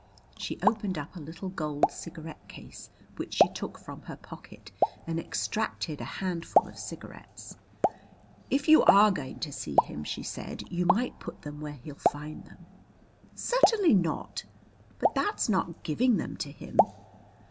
She opened up a little gold cigarette case, which she took from her pocket, and extracted a handful of cigarettes. "If you are going to see him," she said, "you might put them where he'll find them?" "Certainly not." "But that's not giving them to him."